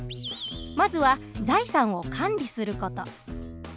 まずは財産を管理する事。